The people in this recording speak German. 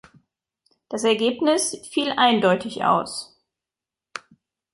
Das Ergebnis fiel eindeutig aus.